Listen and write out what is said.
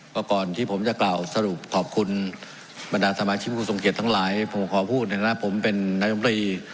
ก่อนที่ผมจะกล่าวสรุปขอบคุณบรรดาสมาชิกผู้ทรงเกียจทั้งหลายผมขอพูดในฐานะผมเป็นนายมตรี